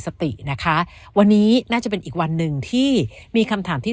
สตินะคะวันนี้น่าจะเป็นอีกวันหนึ่งที่มีคำถามที่